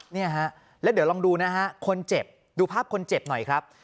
เนี่ยฮะแล้วเดี๋ยวลองดูนะฮะคนเจ็บดูภาพคนเจ็บหน่อยครับ